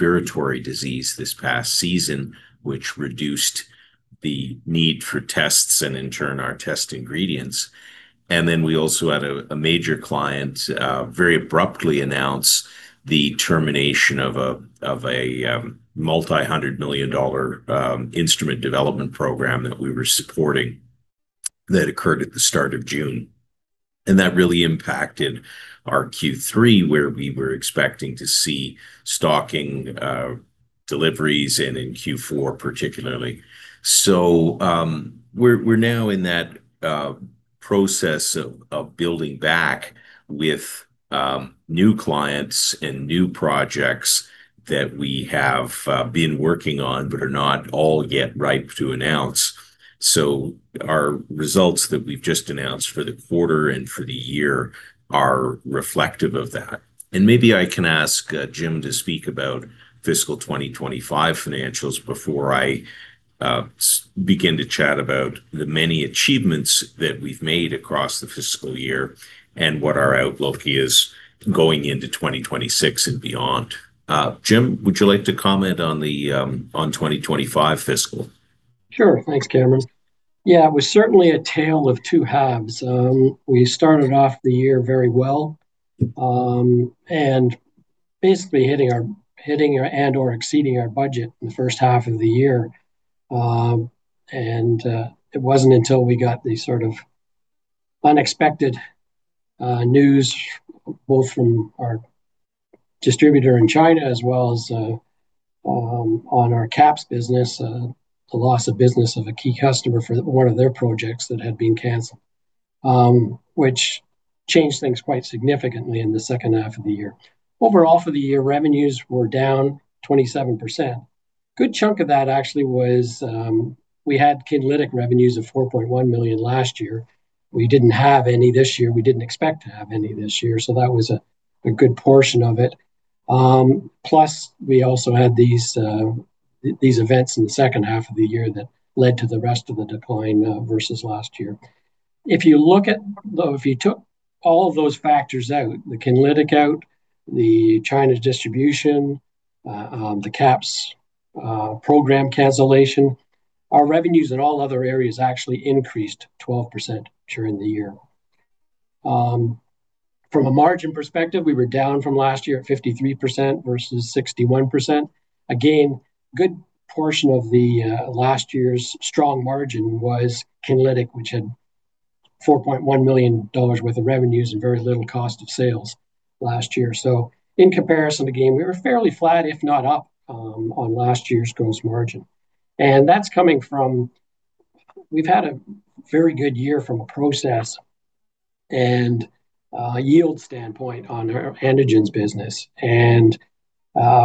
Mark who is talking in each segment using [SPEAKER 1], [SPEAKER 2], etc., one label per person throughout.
[SPEAKER 1] Respiratory disease this past season, which reduced the need for tests and, in turn, our test ingredients. We also had a major client very abruptly announce the termination of a multi-hundred million dollar instrument development program that we were supporting that occurred at the start of June. That really impacted our Q3, where we were expecting to see stocking deliveries and in Q4, particularly. We're now in that process of building back with new clients and new projects that we have been working on but are not all yet ripe to announce. Our results that we've just announced for the quarter and for the year are reflective of that. And maybe I can ask Jim to speak about fiscal 2025 financials before I begin to chat about the many achievements that we've made across the fiscal year and what our outlook is going into 2026 and beyond. Jim, would you like to comment on 2025 fiscal?
[SPEAKER 2] Sure. Thanks, Cameron. Yeah, it was certainly a tale of two halves. We started off the year very well and basically hitting our and/or exceeding our budget in the first half of the year. And it wasn't until we got the sort of unexpected news, both from our distributor in China as well as on our QAPs business, the loss of business of a key customer for one of their projects that had been canceled, which changed things quite significantly in the second half of the year. Overall, for the year, revenues were down 27%. A good chunk of that actually was we had Kinlytic revenues of 4.1 million last year. We didn't have any this year. We didn't expect to have any this year. So that was a good portion of it. Plus, we also had these events in the second half of the year that led to the rest of the decline versus last year. If you look at, if you took all of those factors out, the Kinlytic out, the China distribution, the QAPs program cancellation, our revenues in all other areas actually increased 12% during the year. From a margin perspective, we were down from last year at 53% versus 61%. Again, a good portion of last year's strong margin was Kinlytic, which had 4.1 million dollars worth of revenues and very little cost of sales last year. So in comparison, again, we were fairly flat, if not up, on last year's gross margin. And that's coming from we've had a very good year from a process and yield standpoint on our antigens business. And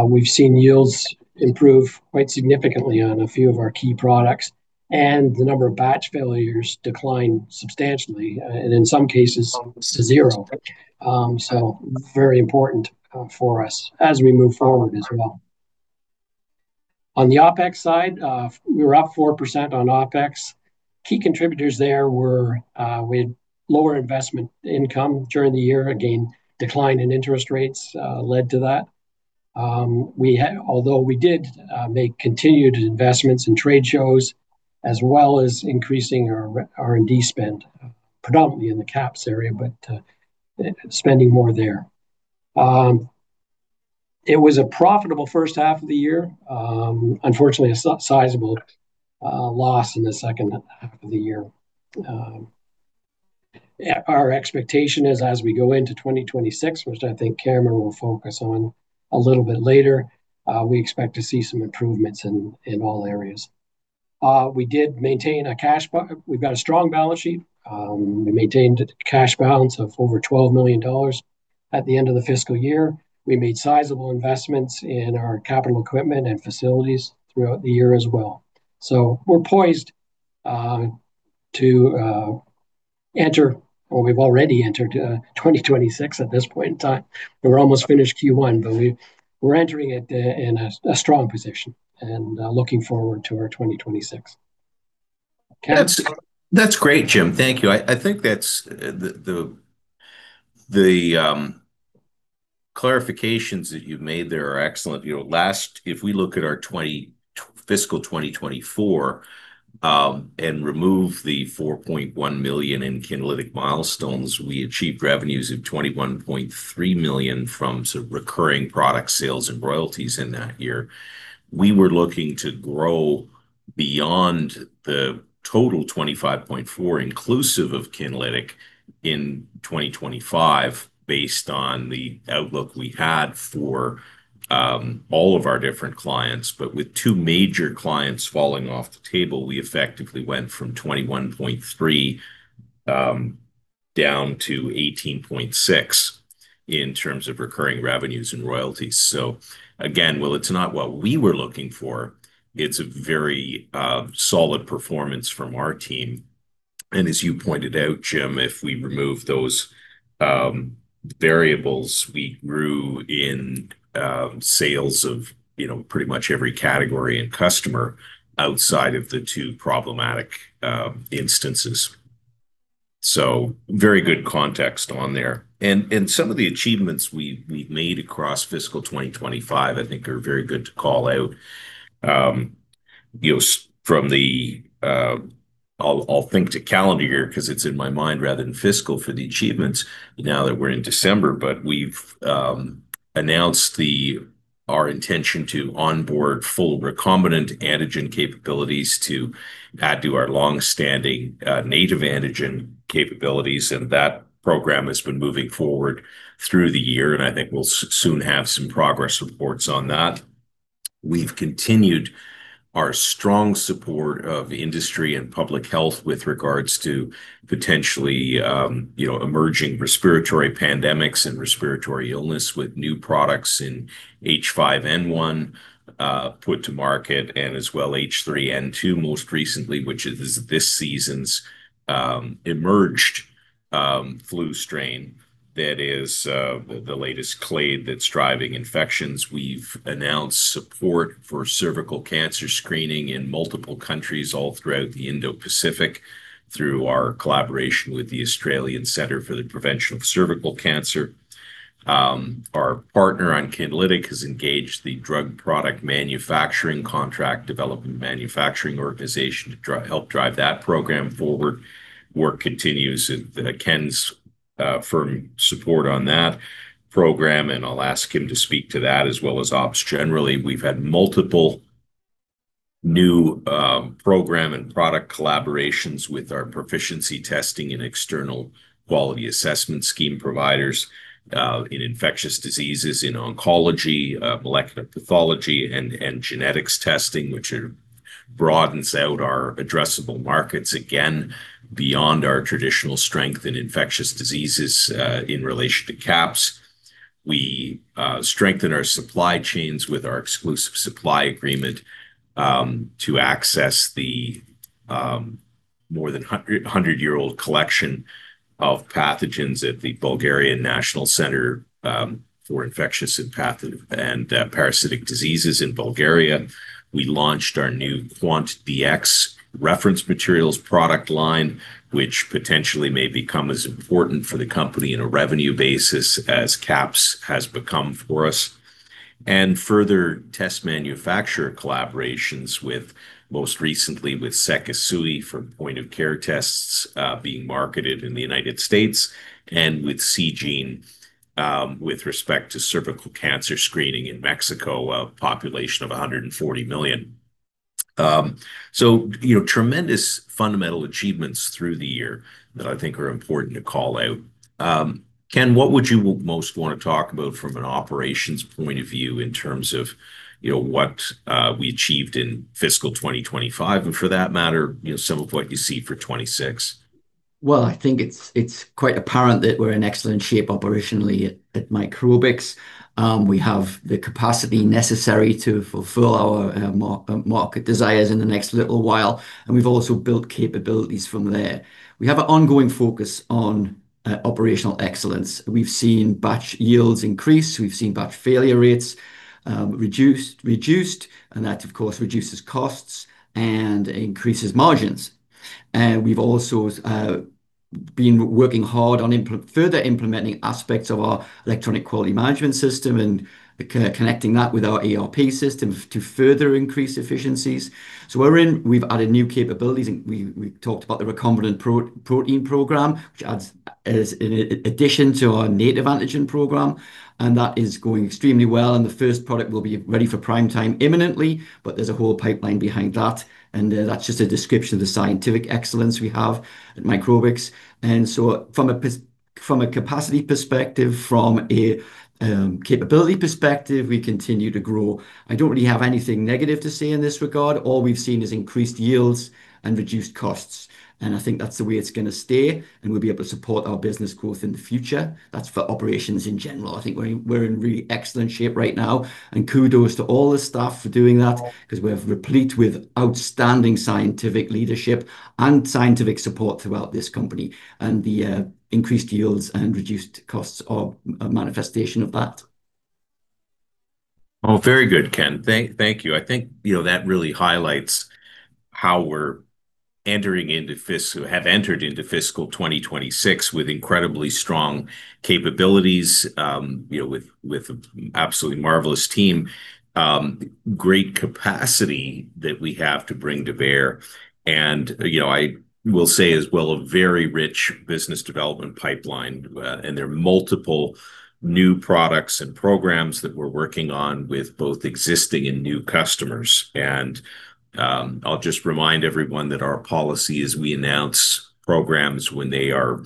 [SPEAKER 2] we've seen yields improve quite significantly on a few of our key products. And the number of batch failures declined substantially, and in some cases, to zero. So very important for us as we move forward as well. On the OpEx side, we were up 4% on OpEx. Key contributors there were we had lower investment income during the year. Again, decline in interest rates led to that. Although we did make continued investments in trade shows as well as increasing our R&D spend, predominantly in the QAPs area, but spending more there. It was a profitable first half of the year. Unfortunately, a sizable loss in the second half of the year. Our expectation is, as we go into 2026, which I think Cameron will focus on a little bit later, we expect to see some improvements in all areas. We did maintain a cash balance. We've got a strong balance sheet. We maintained a cash balance of over 12 million dollars at the end of the fiscal year. We made sizable investments in our capital equipment and facilities throughout the year as well. So we're poised to enter, or we've already entered 2026 at this point in time. We're almost finished Q1, but we're entering it in a strong position and looking forward to our 2026.
[SPEAKER 1] That's great, Jim. Thank you. I think that's the clarifications that you've made there are excellent. Last, if we look at our fiscal 2024 and remove the 4.1 million in Kinlytic milestones, we achieved revenues of 21.3 million from recurring product sales and royalties in that year. We were looking to grow beyond the total 25.4 million inclusive of Kinlytic in 2025 based on the outlook we had for all of our different clients. But with two major clients falling off the table, we effectively went from 21.3 million down to 18.6 million in terms of recurring revenues and royalties. So again, while it's not what we were looking for, it's a very solid performance from our team. And as you pointed out, Jim, if we remove those variables, we grew in sales of pretty much every category and customer outside of the two problematic instances. So very good context on there. Some of the achievements we've made across fiscal 2025, I think, are very good to call out. I'll think to calendar year because it's in my mind rather than fiscal for the achievements now that we're in December, but we've announced our intention to onboard full recombinant antigen capabilities to add to our longstanding native antigen capabilities. That program has been moving forward through the year, and I think we'll soon have some progress reports on that. We've continued our strong support of industry and public health with regards to potentially emerging respiratory pandemics and respiratory illness with new products in H5N1 put to market and as well H3N2 most recently, which is this season's emerged flu strain that is the latest clade that's driving infections. We've announced support for cervical cancer screening in multiple countries all throughout the Indo-Pacific through our collaboration with the Australian Centre for the Prevention of Cervical Cancer. Our partner on Kinlytic has engaged the drug product manufacturing contract development and manufacturing organization to help drive that program forward. Work continues with Ken's firm support on that program, and I'll ask him to speak to that as well as OpEx generally. We've had multiple new program and product collaborations with our proficiency testing and external quality assessment scheme providers in infectious diseases, in oncology, molecular pathology, and genetics testing, which broadens out our addressable markets again beyond our traditional strength in infectious diseases in relation to QAPs. We strengthen our supply chains with our exclusive supply agreement to access the more than 100-year-old collection of pathogens at the Bulgarian National Centre for Infectious and Parasitic Diseases in Bulgaria. We launched our new QUANTDx reference materials product line, which potentially may become as important for the company on a revenue basis as QAPs has become for us, and further test manufacturer collaborations, most recently with Sekisui for point of care tests being marketed in the United States and with Seegene with respect to cervical cancer screening in Mexico, a population of 140 million, so tremendous fundamental achievements through the year that I think are important to call out. Ken, what would you most want to talk about from an operations point of view in terms of what we achieved in fiscal 2025, and for that matter, some of what you see for 2026?
[SPEAKER 3] I think it's quite apparent that we're in excellent shape operationally at Microbix. We have the capacity necessary to fulfill our market desires in the next little while, and we've also built capabilities from there. We have an ongoing focus on operational excellence. We've seen batch yields increase. We've seen batch failure rates reduced, and that, of course, reduces costs and increases margins. We've also been working hard on further implementing aspects of our electronic quality management system and connecting that with our ERP system to further increase efficiencies. We've added new capabilities. We talked about the recombinant protein program, which adds in addition to our native antigen program, and that is going extremely well. The first product will be ready for prime time imminently, but there's a whole pipeline behind that. That's just a description of the scientific excellence we have at Microbix. And so from a capacity perspective, from a capability perspective, we continue to grow. I don't really have anything negative to say in this regard. All we've seen is increased yields and reduced costs. And I think that's the way it's going to stay, and we'll be able to support our business growth in the future. That's for operations in general. I think we're in really excellent shape right now. And kudos to all the staff for doing that because we're replete with outstanding scientific leadership and scientific support throughout this company. And the increased yields and reduced costs are a manifestation of that.
[SPEAKER 1] Oh, very good, Ken. Thank you. I think that really highlights how we have entered into fiscal 2026 with incredibly strong capabilities with an absolutely marvelous team, great capacity that we have to bring to bear. I will say as well a very rich business development pipeline. There are multiple new products and programs that we're working on with both existing and new customers. I'll just remind everyone that our policy is we announce programs when they are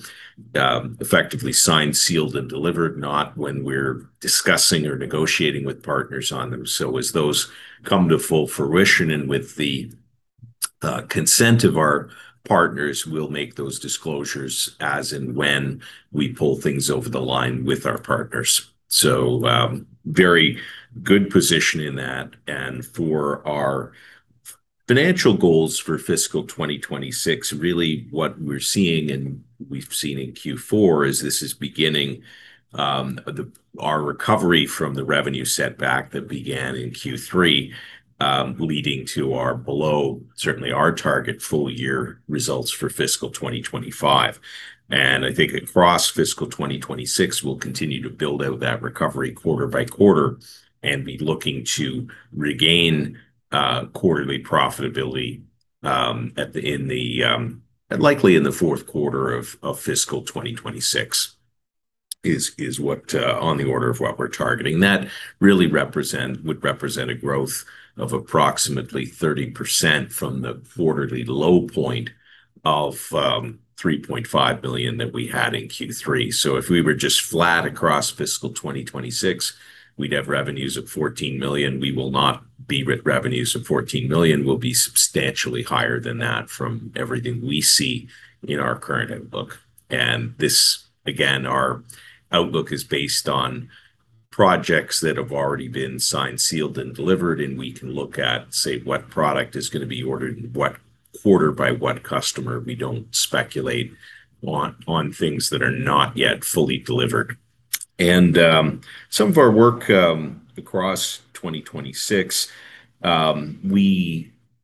[SPEAKER 1] effectively signed, sealed, and delivered, not when we're discussing or negotiating with partners on them. As those come to full fruition and with the consent of our partners, we'll make those disclosures as and when we pull things over the line with our partners. Very good position in that. For our financial goals for fiscal 2026, really what we're seeing and we've seen in Q4 is this is beginning our recovery from the revenue setback that began in Q3, leading to our below, certainly our target full year results for fiscal 2025. And I think across fiscal 2026, we'll continue to build out that recovery quarter by quarter and be looking to regain quarterly profitability likely in the fourth quarter of fiscal 2026 is what on the order of what we're targeting. That really would represent a growth of approximately 30% from the quarterly low point of 3.5 million that we had in Q3. So if we were just flat across fiscal 2026, we'd have revenues of 14 million. We will not be with revenues of 14 million. We'll be substantially higher than that from everything we see in our current outlook. And this, again, our outlook is based on projects that have already been signed, sealed, and delivered. We can look at, say, what product is going to be ordered, what quarter by what customer. We don't speculate on things that are not yet fully delivered. Some of our work across 2026,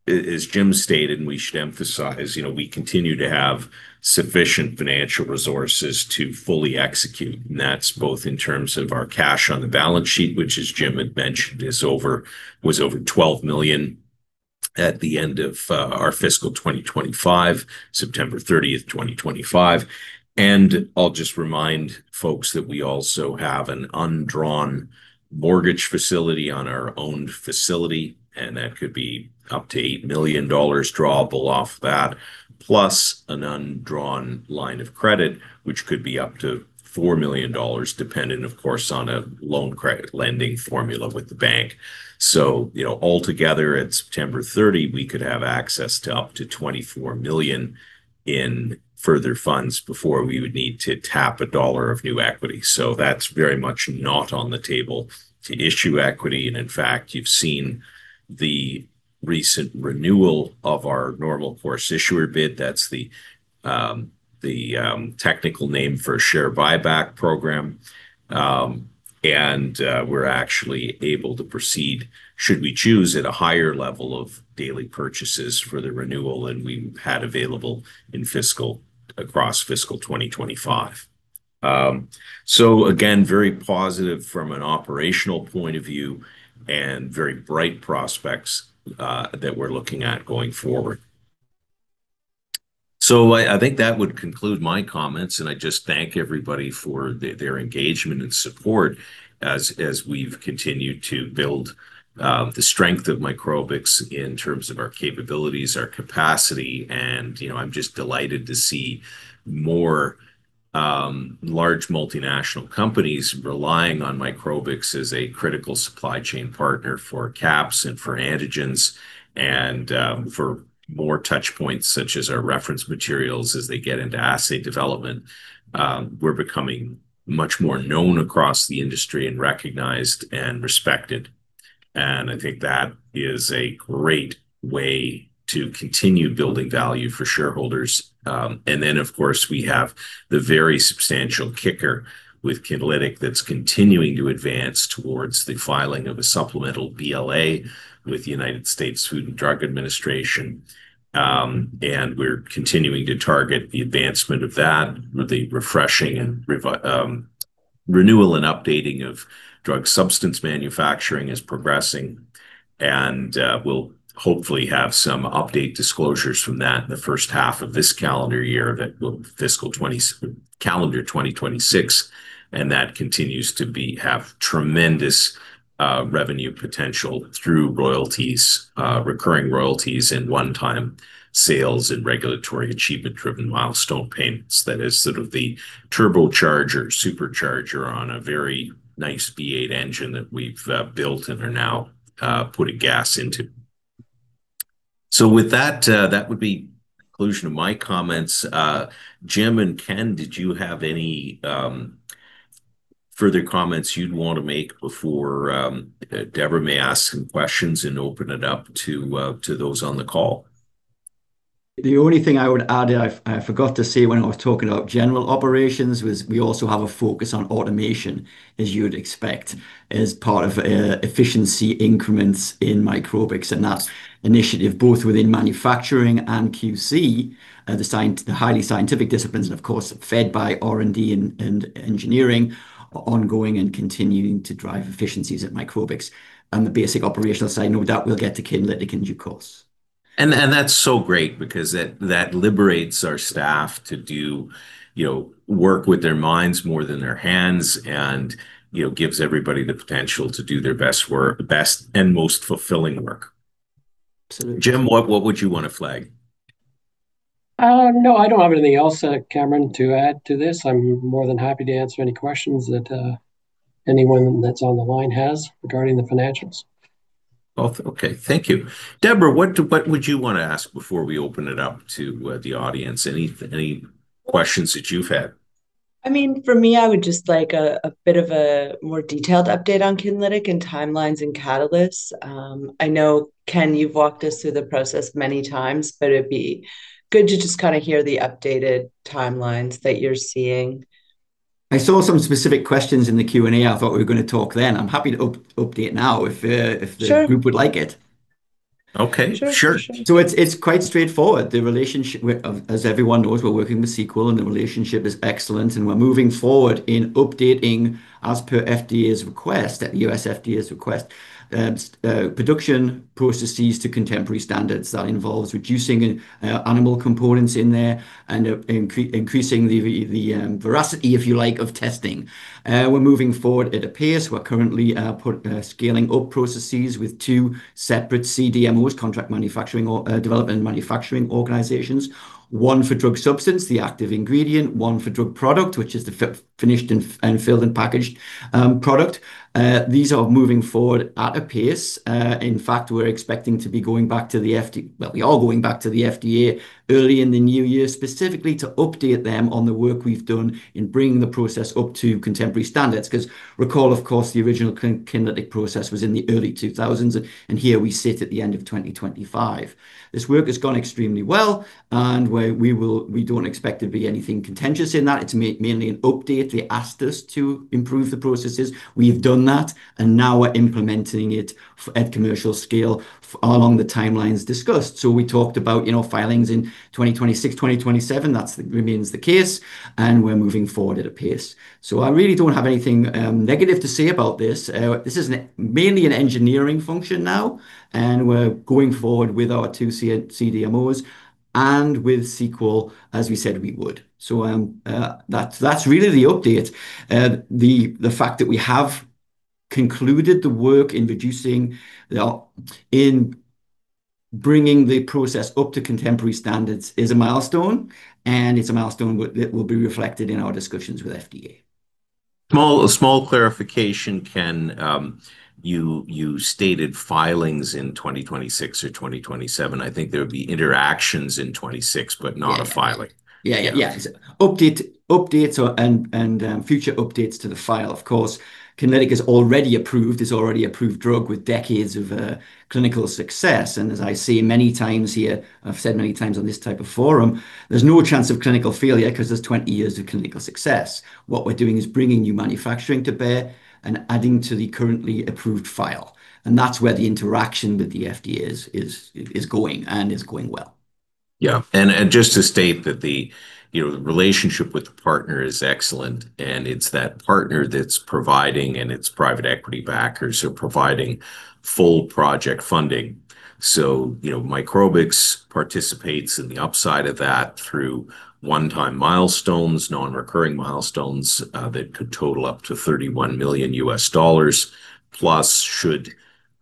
[SPEAKER 1] as Jim stated, and we should emphasize, we continue to have sufficient financial resources to fully execute. That's both in terms of our cash on the balance sheet, which, as Jim had mentioned, was over 12 million at the end of our fiscal 2025, September 30th, 2025. I'll just remind folks that we also have an undrawn mortgage facility on our owned facility, and that could be up to 8 million dollars drawable off that, plus an undrawn line of credit, which could be up to 4 million dollars, depending, of course, on a loan credit lending formula with the bank. So altogether, at September 30, we could have access to up to 24 million in further funds before we would need to tap a dollar of new equity. So that's very much not on the table to issue equity. And in fact, you've seen the recent renewal of our normal course issuer bid. That's the technical name for share buyback program. And we're actually able to proceed, should we choose, at a higher level of daily purchases for the renewal that we had available across fiscal 2025. So again, very positive from an operational point of view and very bright prospects that we're looking at going forward. So I think that would conclude my comments, and I just thank everybody for their engagement and support as we've continued to build the strength of Microbix in terms of our capabilities, our capacity. And I'm just delighted to see more large multinational companies relying on Microbix as a critical supply chain partner for QAPs and for antigens and for more touch points such as our reference materials as they get into assay development. We're becoming much more known across the industry and recognized and respected. And I think that is a great way to continue building value for shareholders. And then, of course, we have the very substantial kicker with Kinlytic that's continuing to advance towards the filing of a supplemental BLA with the United States Food and Drug Administration. And we're continuing to target the advancement of that, the refreshing and renewal and updating of drug substance manufacturing is progressing. And we'll hopefully have some update disclosures from that in the first half of this calendar year that will fiscal calendar 2026. And that continues to have tremendous revenue potential through royalties, recurring royalties and one-time sales and regulatory achievement-driven milestone payments. That is sort of the turbocharger supercharger on a very nice V8 engine that we've built and are now putting gas into. So with that, that would be the conclusion of my comments. Jim and Ken, did you have any further comments you'd want to make before Deborah may ask some questions and open it up to those on the call? The only thing I would add, I forgot to say when I was talking about general operations, was we also have a focus on automation, as you would expect, as part of efficiency increments in Microbix. That's initiative both within manufacturing and QC, the highly scientific disciplines, and of course, fed by R&D and engineering, ongoing and continuing to drive efficiencies at Microbix. The basic operational side, no doubt, we'll get to Ken. Let Ken take the floor. That's so great because that liberates our staff to do work with their minds more than their hands and gives everybody the potential to do their best work, best and most fulfilling work.
[SPEAKER 3] Absolutely.
[SPEAKER 1] Jim, what would you want to flag?
[SPEAKER 2] No, I don't have anything else, Cameron, to add to this. I'm more than happy to answer any questions that anyone that's on the line has regarding the financials.
[SPEAKER 1] Okay. Thank you. Deborah, what would you want to ask before we open it up to the audience? Any questions that you've had?
[SPEAKER 4] I mean, for me, I would just like a bit of a more detailed update on Kinlytic and timelines and catalysts. I know, Ken, you've walked us through the process many times, but it'd be good to just kind of hear the updated timelines that you're seeing.
[SPEAKER 3] I saw some specific questions in the Q&A. I thought we were going to talk then. I'm happy to update now if the group would like it.
[SPEAKER 1] Okay. Sure.
[SPEAKER 3] It's quite straightforward. As everyone knows, we're working with Sequel, and the relationship is excellent. We're moving forward in updating, as per FDA's request, at the U.S. FDA's request, production processes to contemporary standards. That involves reducing animal components in there and increasing the veracity, if you like, of testing. We're moving forward, it appears. We're currently scaling up processes with two separate CDMOs, contract development and manufacturing organizations. One for drug substance, the active ingredient, one for drug product, which is the finished and filled and packaged product. These are moving forward at a pace. In fact, we're expecting to be going back to the FDA. Well, we are going back to the FDA early in the new year specifically to update them on the work we've done in bringing the process up to contemporary standards. Because recall, of course, the original Kinlytic process was in the early 2000s, and here we sit at the end of 2025. This work has gone extremely well, and we don't expect to be anything contentious in that. It's mainly an update. They asked us to improve the processes. We've done that, and now we're implementing it at commercial scale along the timelines discussed. So we talked about filings in 2026, 2027. That remains the case, and we're moving forward at a pace. So I really don't have anything negative to say about this. This is mainly an engineering function now, and we're going forward with our two CDMOs and with Sequel, as we said we would. So that's really the update. The fact that we have concluded the work in bringing the process up to contemporary standards is a milestone, and it's a milestone that will be reflected in our discussions with FDA.
[SPEAKER 1] Small clarification, Ken, you stated filings in 2026 or 2027. I think there would be interactions in 2026, but not a filing.
[SPEAKER 3] Yeah, yeah, yeah. Updates and future updates to the file, of course. Kinlytic is already approved. It's already approved drug with decades of clinical success. And as I say many times here, I've said many times on this type of forum, there's no chance of clinical failure because there's 20 years of clinical success. What we're doing is bringing new manufacturing to bear and adding to the currently approved file. And that's where the interaction with the FDA is going and is going well.
[SPEAKER 1] Yeah. And just to state that the relationship with the partner is excellent, and it's that partner that's providing and it's private equity backers who are providing full project funding. So Microbix participates in the upside of that through one-time milestones, non-recurring milestones that could total up to $31 million. Plus,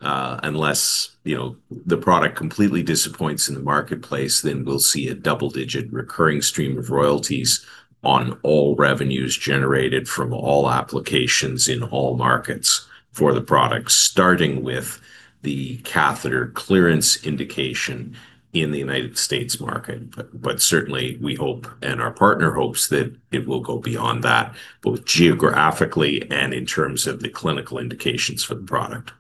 [SPEAKER 1] unless the product completely disappoints in the marketplace, then we'll see a double-digit recurring stream of royalties on all revenues generated from all applications in all markets for the product, starting with the catheter clearance indication in the United States market. But certainly, we hope and our partner hopes that it will go beyond that, both geographically and in terms of the clinical indications for the product.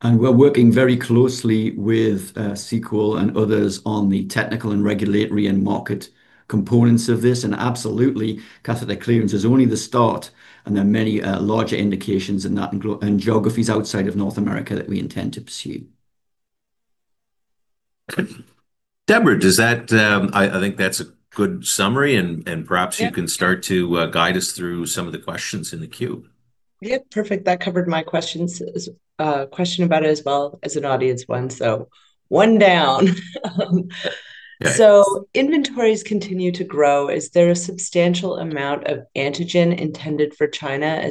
[SPEAKER 3] And we're working very closely with Sequel and others on the technical and regulatory and market components of this. And absolutely, catheter clearance is only the start, and there are many larger indications and geographies outside of North America that we intend to pursue.
[SPEAKER 1] Deborah, I think that's a good summary, and perhaps you can start to guide us through some of the questions in the queue.
[SPEAKER 4] Yeah, perfect. That covered my question about it as well as an audience one. So one down. So inventories continue to grow. Is there a substantial amount of antigen intended for China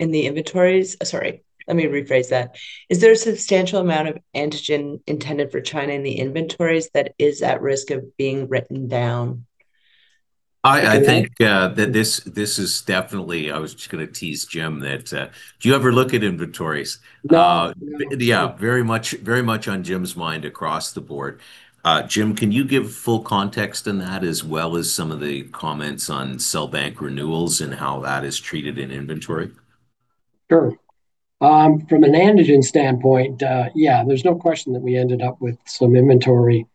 [SPEAKER 4] in the inventories? Sorry, let me rephrase that. Is there a substantial amount of antigen intended for China in the inventories that is at risk of being written down?
[SPEAKER 1] I think that this is definitely. I was just going to tease Jim that. Do you ever look at inventories?
[SPEAKER 2] No.
[SPEAKER 1] Yeah, very much on Jim's mind across the board. Jim, can you give full context in that, as well as some of the comments on cell bank renewals and how that is treated in inventory?
[SPEAKER 2] Sure. From an antigen standpoint, yeah, there's no question that we ended up with some inventory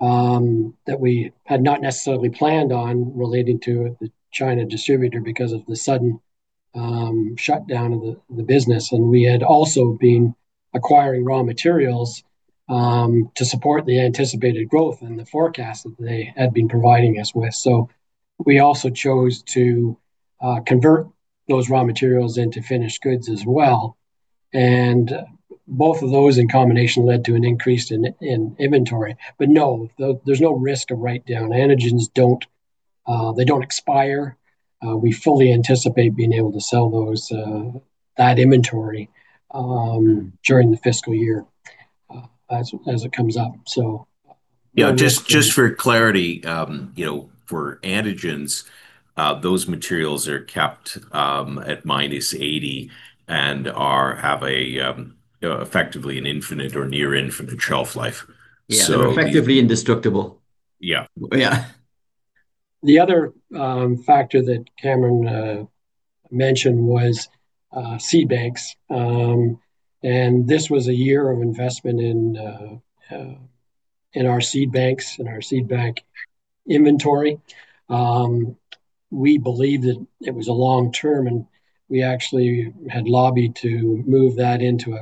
[SPEAKER 2] that we had not necessarily planned on relating to the China distributor because of the sudden shutdown of the business, and we had also been acquiring raw materials to support the anticipated growth and the forecast that they had been providing us with, so we also chose to convert those raw materials into finished goods as well, and both of those in combination led to an increase in inventory, but no, there's no risk of write-down. Antigens, they don't expire. We fully anticipate being able to sell that inventory during the fiscal year as it comes up. So.
[SPEAKER 1] Yeah, just for clarity, for antigens, those materials are kept at -80 and have effectively an infinite or near infinite shelf life.
[SPEAKER 2] Yeah, effectively indestructible.
[SPEAKER 1] Yeah.
[SPEAKER 2] Yeah. The other factor that Cameron mentioned was seed banks. And this was a year of investment in our seed banks and our seed bank inventory. We believe that it was a long-term, and we actually had lobbied to move that into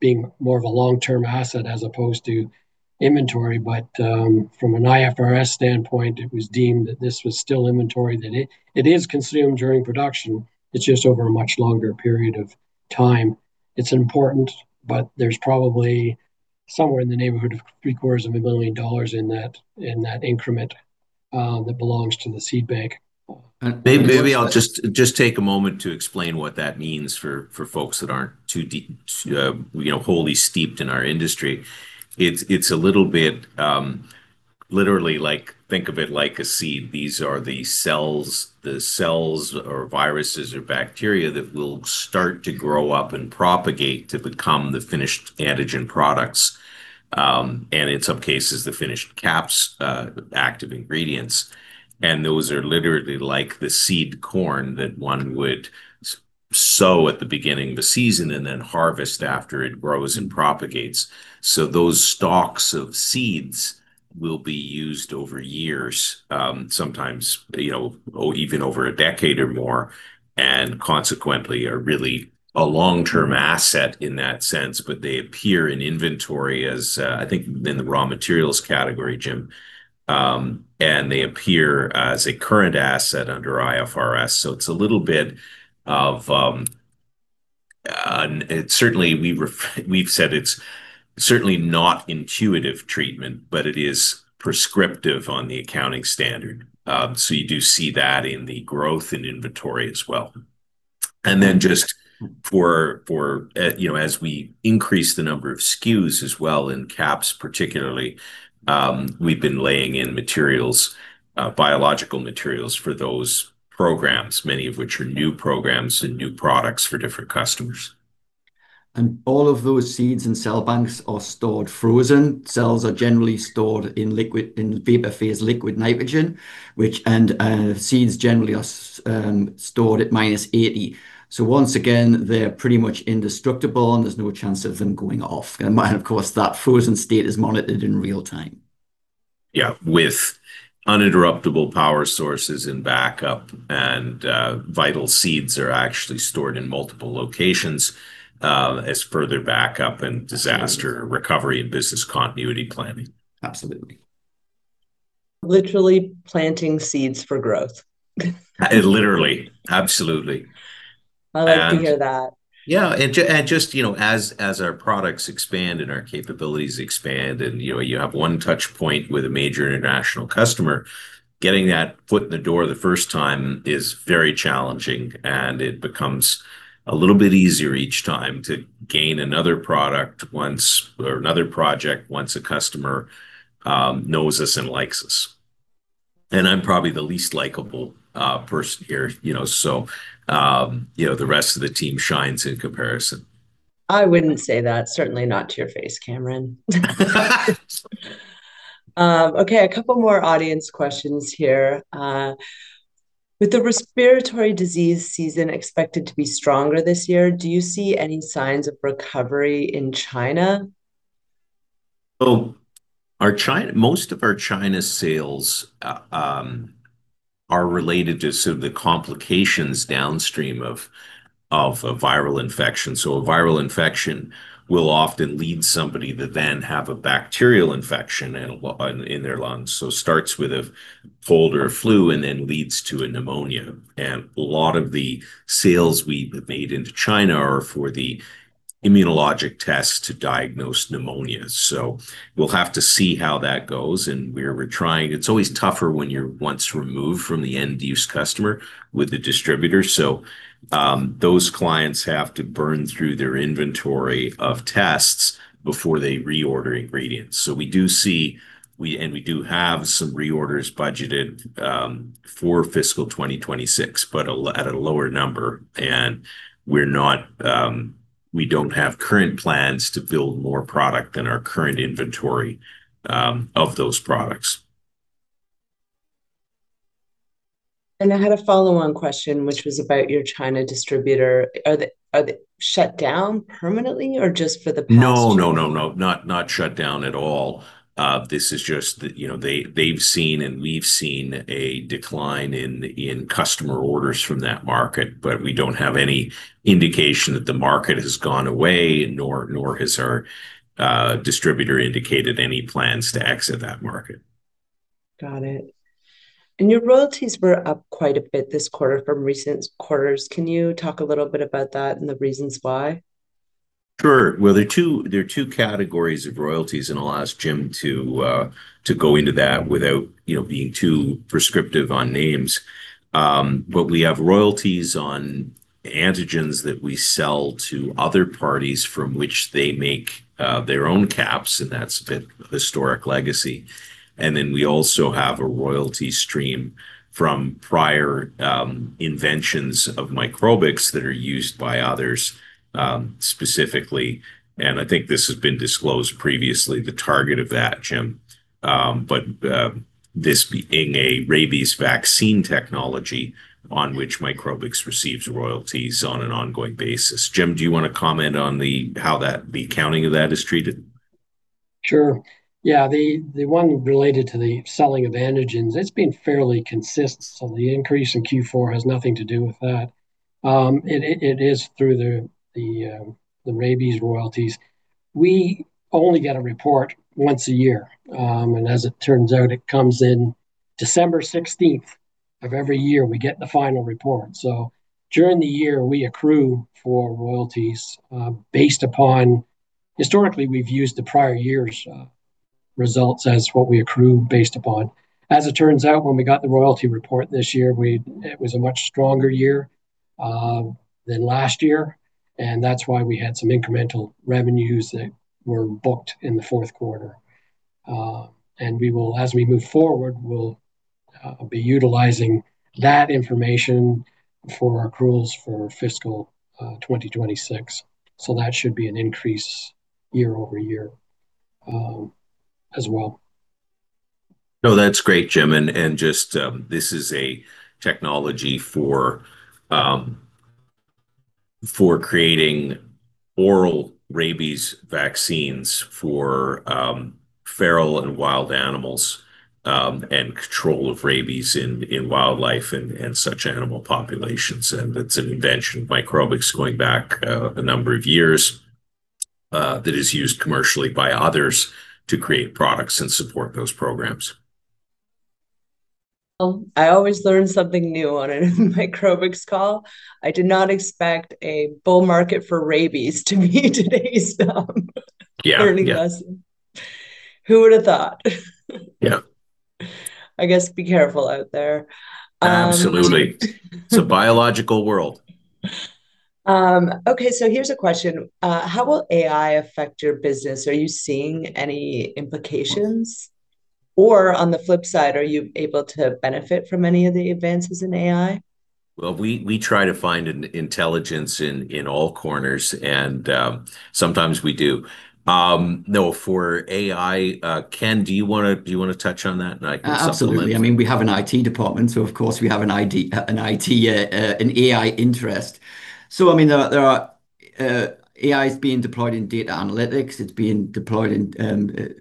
[SPEAKER 2] being more of a long-term asset as opposed to inventory. But from an IFRS standpoint, it was deemed that this was still inventory, that it is consumed during production. It's just over a much longer period of time. It's important, but there's probably somewhere in the neighborhood of 750,000 dollars in that increment that belongs to the seed bank.
[SPEAKER 1] Maybe I'll just take a moment to explain what that means for folks that aren't too wholly steeped in our industry. It's a little bit literally like think of it like a seed. These are the cells or viruses or bacteria that will start to grow up and propagate to become the finished antigen products, and in some cases, the finished QAPs, active ingredients. And those are literally like the seed corn that one would sow at the beginning of the season and then harvest after it grows and propagates. So those stalks of seeds will be used over years, sometimes even over a decade or more, and consequently are really a long-term asset in that sense. But they appear in inventory as, I think, in the raw materials category, Jim, and they appear as a current asset under IFRS. So it's a little bit of, certainly, we've said it's certainly not intuitive treatment, but it is prescriptive on the accounting standard. So you do see that in the growth in inventory as well. And then just for as we increase the number of SKUs as well in QAPs, particularly, we've been laying in materials, biological materials for those programs, many of which are new programs and new products for different customers.
[SPEAKER 3] All of those seeds and cell banks are stored frozen. Cells are generally stored in liquid in the vapor phase, liquid nitrogen, and seeds generally are stored at -80. Once again, they're pretty much indestructible, and there's no chance of them going off. Of course, that frozen state is monitored in real time.
[SPEAKER 1] Yeah, with uninterruptible power sources and backup, and viral seeds are actually stored in multiple locations as further backup and disaster recovery and business continuity planning.
[SPEAKER 3] Absolutely.
[SPEAKER 4] Literally planting seeds for growth.
[SPEAKER 1] Literally, absolutely.
[SPEAKER 4] I like to hear that.
[SPEAKER 1] Yeah. And just as our products expand and our capabilities expand, and you have one touchpoint with a major international customer, getting that foot in the door the first time is very challenging, and it becomes a little bit easier each time to gain another product or another project once a customer knows us and likes us. And I'm probably the least likable person here. So the rest of the team shines in comparison.
[SPEAKER 4] I wouldn't say that. Certainly not to your face, Cameron. Okay, a couple more audience questions here. With the respiratory disease season expected to be stronger this year, do you see any signs of recovery in China?
[SPEAKER 1] Most of our China sales are related to some of the complications downstream of a viral infection. So a viral infection will often lead somebody to then have a bacterial infection in their lungs. So it starts with a cold or a flu and then leads to a pneumonia. And a lot of the sales we've made into China are for the immunologic tests to diagnose pneumonia. So we'll have to see how that goes. And we're trying, it's always tougher when you're once removed from the end-use customer with the distributor. So those clients have to burn through their inventory of tests before they reorder ingredients. So we do see, and we do have some reorders budgeted for fiscal 2026, but at a lower number. And we don't have current plans to build more product than our current inventory of those products.
[SPEAKER 4] I had a follow-on question, which was about your China distributor. Are they shut down permanently or just for the past?
[SPEAKER 1] No, no, no, no. Not shut down at all. This is just that they've seen, and we've seen, a decline in customer orders from that market, but we don't have any indication that the market has gone away, nor has our distributor indicated any plans to exit that market.
[SPEAKER 4] Got it. And your royalties were up quite a bit this quarter from recent quarters. Can you talk a little bit about that and the reasons why?
[SPEAKER 1] Sure. Well, there are two categories of royalties, and I'll ask Jim to go into that without being too prescriptive on names. But we have royalties on antigens that we sell to other parties from which they make their own caps, and that's a bit of historic legacy. And then we also have a royalty stream from prior inventions of Microbix that are used by others specifically. And I think this has been disclosed previously, the target of that, Jim, but this being a rabies vaccine technology on which Microbix receives royalties on an ongoing basis. Jim, do you want to comment on how the accounting of that is treated?
[SPEAKER 2] Sure. Yeah. The one related to the selling of antigens, it's been fairly consistent. So the increase in Q4 has nothing to do with that. It is through the rabies royalties. We only get a report once a year, and as it turns out, it comes in December 16th of every year. We get the final report, so during the year, we accrue for royalties based upon, historically, we've used the prior year's results as what we accrue based upon. As it turns out, when we got the royalty report this year, it was a much stronger year than last year, and that's why we had some incremental revenues that were booked in the fourth quarter. And as we move forward, we'll be utilizing that information for accruals for fiscal 2026, so that should be an increase year-over-year as well.
[SPEAKER 1] No, that's great, Jim. And just this is a technology for creating oral rabies vaccines for feral and wild animals and control of rabies in wildlife and such animal populations. And it's an invention of Microbix going back a number of years that is used commercially by others to create products and support those programs.
[SPEAKER 4] I always learn something new on a Microbix call. I did not expect a bull market for rabies to be today's learning lesson. Who would have thought?
[SPEAKER 1] Yeah.
[SPEAKER 4] I guess be careful out there.
[SPEAKER 1] Absolutely. It's a biological world.
[SPEAKER 4] Okay, so here's a question. How will AI affect your business? Are you seeing any implications? Or on the flip side, are you able to benefit from any of the advances in AI?
[SPEAKER 1] We try to find intelligence in all corners, and sometimes we do. No, for AI, Ken, do you want to touch on that?
[SPEAKER 3] Absolutely. I mean, we have an IT department, so of course, we have an IT, an AI interest. So I mean, AI is being deployed in data analytics. It's being deployed in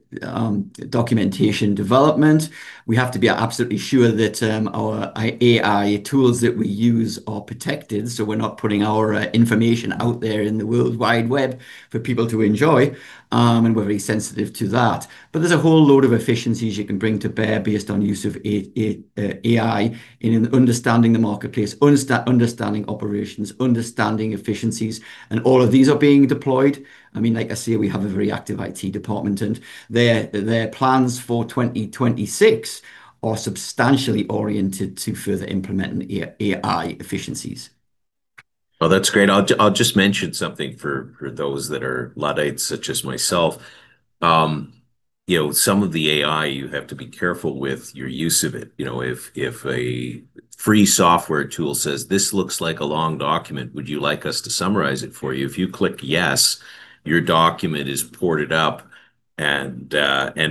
[SPEAKER 3] documentation development. We have to be absolutely sure that our AI tools that we use are protected. So we're not putting our information out there in the worldwide web for people to enjoy. And we're very sensitive to that. But there's a whole load of efficiencies you can bring to bear based on use of AI in understanding the marketplace, understanding operations, understanding efficiencies. And all of these are being deployed. I mean, like I say, we have a very active IT department, and their plans for 2026 are substantially oriented to further implementing AI efficiencies.
[SPEAKER 1] Oh, that's great. I'll just mention something for those that are Luddites such as myself. Some of the AI, you have to be careful with your use of it. If a free software tool says, "This looks like a long document. Would you like us to summarize it for you?" If you click yes, your document is ported up and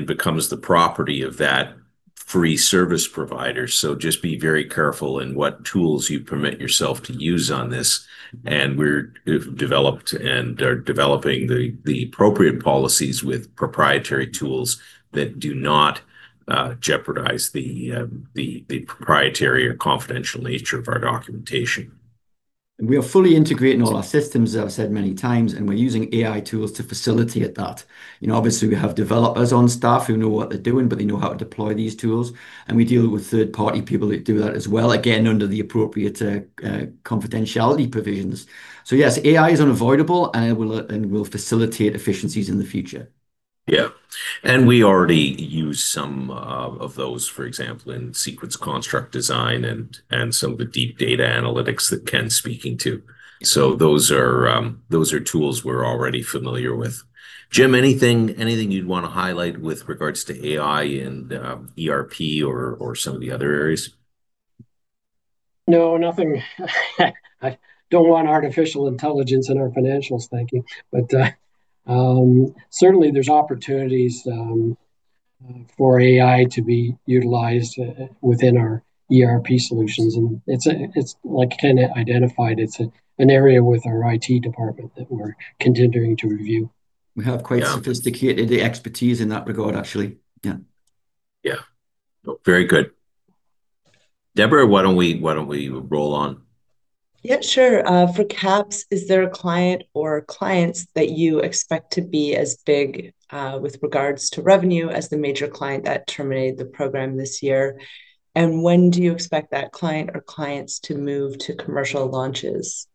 [SPEAKER 1] becomes the property of that free service provider. So just be very careful in what tools you permit yourself to use on this. And we've developed and are developing the appropriate policies with proprietary tools that do not jeopardize the proprietary or confidential nature of our documentation.
[SPEAKER 3] We are fully integrating all our systems, as I've said many times, and we're using AI tools to facilitate that. Obviously, we have developers on staff who know what they're doing, but they know how to deploy these tools. We deal with third-party people that do that as well, again, under the appropriate confidentiality provisions. Yes, AI is unavoidable, and it will facilitate efficiencies in the future.
[SPEAKER 1] Yeah. And we already use some of those, for example, in sequence construct design and some of the deep data analytics that Ken's speaking to. So those are tools we're already familiar with. Jim, anything you'd want to highlight with regards to AI and ERP or some of the other areas?
[SPEAKER 2] No, nothing. I don't want artificial intelligence in our financials, thank you. But certainly, there's opportunities for AI to be utilized within our ERP solutions. And it's like Ken identified, it's an area with our IT department that we're continuing to review.
[SPEAKER 3] We have quite sophisticated expertise in that regard, actually. Yeah.
[SPEAKER 1] Yeah. Very good. Deborah, why don't we roll on?
[SPEAKER 4] Yeah, sure. For QAPs, is there a client or clients that you expect to be as big with regards to revenue as the major client that terminated the program this year? And when do you expect that client or clients to move to commercial launches?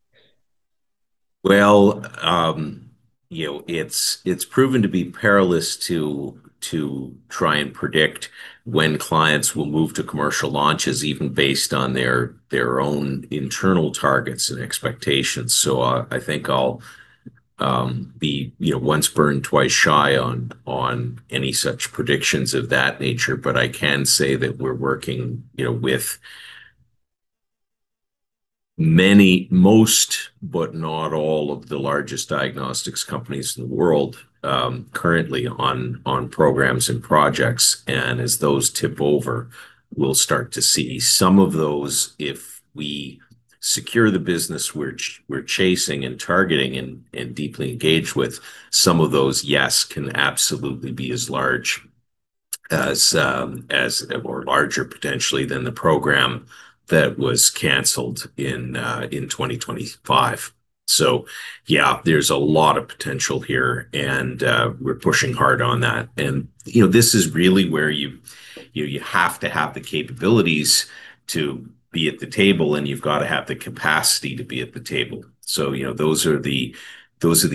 [SPEAKER 1] It's proven to be perilous to try and predict when clients will move to commercial launches, even based on their own internal targets and expectations. So I think I'll be once burned, twice shy on any such predictions of that nature. But I can say that we're working with many, most, but not all of the largest diagnostics companies in the world currently on programs and projects. And as those tip over, we'll start to see some of those, if we secure the business we're chasing and targeting and deeply engaged with, some of those, yes, can absolutely be as large or larger potentially than the program that was canceled in 2025. So yeah, there's a lot of potential here, and we're pushing hard on that. This is really where you have to have the capabilities to be at the table, and you've got to have the capacity to be at the table. So those are the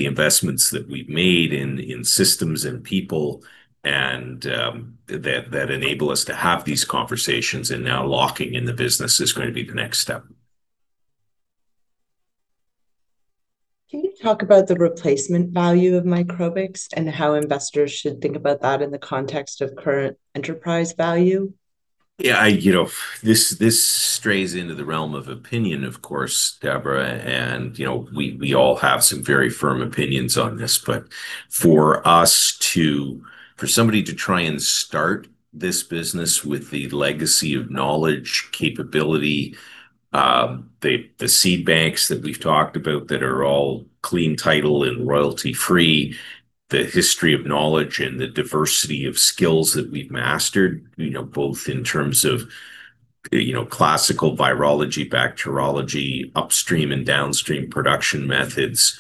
[SPEAKER 1] investments that we've made in systems and people that enable us to have these conversations. Now locking in the business is going to be the next step.
[SPEAKER 4] Can you talk about the replacement value of Microbix and how investors should think about that in the context of current enterprise value?
[SPEAKER 1] Yeah. This strays into the realm of opinion, of course, Deborah. And we all have some very firm opinions on this. But for somebody to try and start this business with the legacy of knowledge, capability, the seed banks that we've talked about that are all clean title and royalty-free, the history of knowledge and the diversity of skills that we've mastered, both in terms of classical virology, bacteriology, upstream and downstream production methods,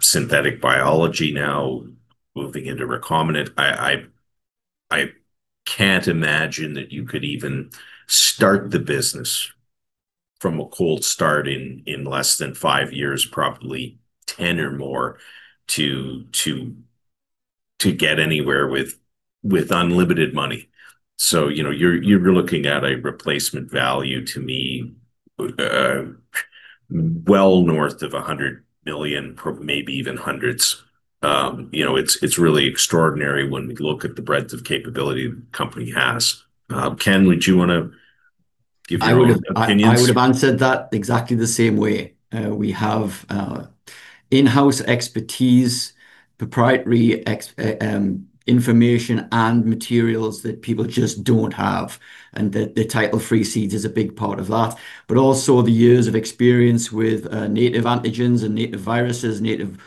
[SPEAKER 1] synthetic biology now moving into recombinant. I can't imagine that you could even start the business from a cold start in less than five years, probably 10 or more, to get anywhere with unlimited money. So you're looking at a replacement value to me well north of 100 million, maybe even hundreds. It's really extraordinary when we look at the breadth of capability the company has. Ken, would you want to give your opinions?
[SPEAKER 3] I would have answered that exactly the same way. We have in-house expertise, proprietary information, and materials that people just don't have. And the high-titer seeds is a big part of that. But also the years of experience with native antigens and native viruses, native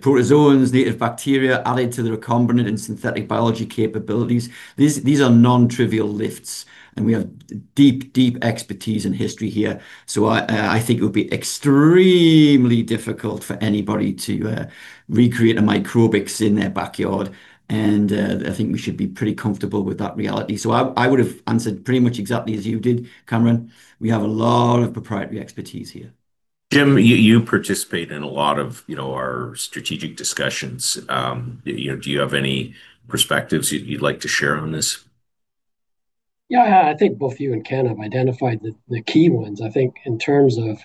[SPEAKER 3] protozoans, native bacteria added to the recombinant and synthetic biology capabilities. These are non-trivial lifts. And we have deep, deep expertise and history here. So I think it would be extremely difficult for anybody to recreate a Microbix in their backyard. And I think we should be pretty comfortable with that reality. So I would have answered pretty much exactly as you did, Cameron. We have a lot of proprietary expertise here.
[SPEAKER 1] Jim, you participate in a lot of our strategic discussions. Do you have any perspectives you'd like to share on this?
[SPEAKER 2] Yeah. I think both you and Ken have identified the key ones. I think in terms of